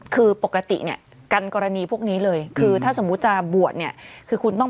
คือปกติเนี่ยกันกรณีพวกนี้เลยคือถ้าสมมุติจะบวชเนี่ยคือคุณต้อง